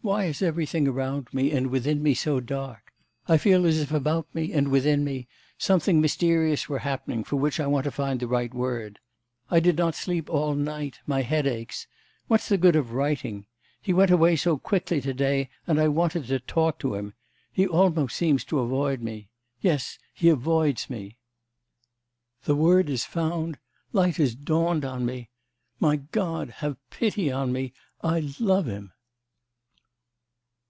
Why is everything around me and within me so dark? I feel as if about me and within me, something mysterious were happening, for which I want to find the right word.... I did not sleep all night; my head aches. What's the good of writing? He went away so quickly to day and I wanted to talk to him.... He almost seems to avoid me. Yes, he avoids me. '... The word is found, light has dawned on me! My God, have pity on me.... I love him!